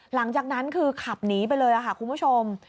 หลังจากนั้นคือขับหนีไปเลยค่ะคุณผู้ชม